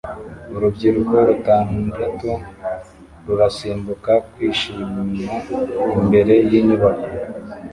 Urubyiruko rutandatu rurasimbuka kwishima imbere yinyubako